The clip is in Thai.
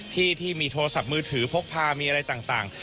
ที่มีโทรศัพท์มือถือพกพามีอะไรต่าง